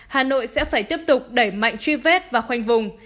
hà nội sẽ phải tiếp tục đẩy mạnh truy vết và khoanh vùng